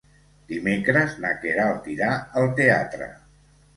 Dimecres na Queralt irà al teatre.